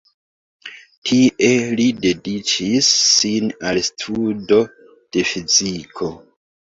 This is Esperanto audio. Tie li dediĉis sin al studo de fiziko.